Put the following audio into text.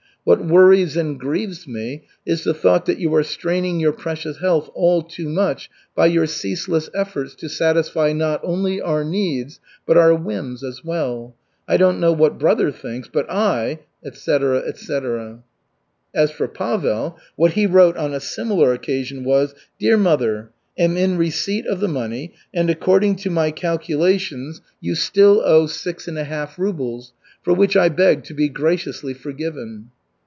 What worries and grieves me is the thought that you are straining your precious health all too much by your ceaseless efforts to satisfy not only our needs, but our whims as well. I don't know what brother thinks, but I " etc., etc. As for Pavel, what he wrote on a similar occasion was: "Dear mother, am in receipt of the money, and, according to my calculations, you still owe six and a half rubles, for which I beg to be graciously forgiven."